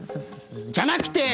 じゃなくて！